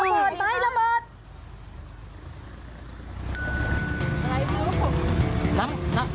เปิดไหมระเบิด